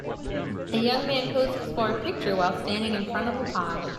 A young man poses for a pictures while standing in front of a pond.